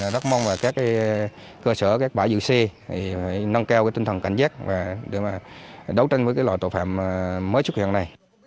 rất mong các cơ sở các bãi giữ xe nâng keo cái tinh thần cảnh giác để đấu tranh với cái loại tội phạm mới xuất hiện này